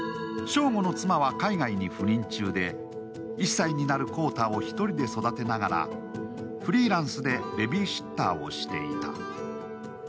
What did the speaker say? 章吾の妻は海外に赴任中で、１歳になる耕太を一人で育てながらフリーランスでベビーシッターをしていた。